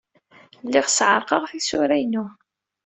Lliɣ sseɛraqeɣ tisura-inu.